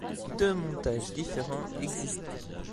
Deux montages différents existent.